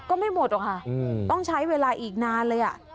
ก็ไม่หมดหรอกค่ะต้องใช้เวลาอีกนานเลย